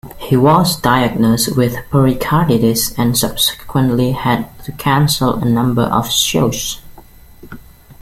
He was diagnosed with pericarditis and subsequently had to cancel a number of shows.